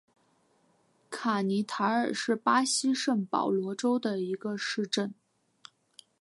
卡尼塔尔是巴西圣保罗州的一个市镇。